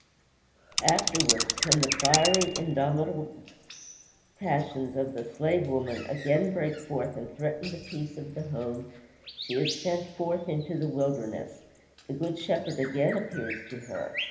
Afterwards, when the fiery, indomitable passions of the slave woman again break forth and threaten the peace of the home, and she is sent forth into the wilderness, the Good Shepherd again appears to her.